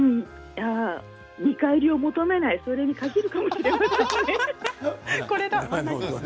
見返りを求めないそれに限るかもしれない。